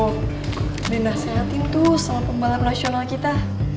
udah nasehatin tuh sama pembalap nasional kita